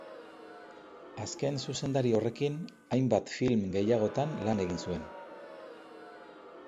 Azken zuzendari horrekin, hainbat film gehiagotan lan egin zuen.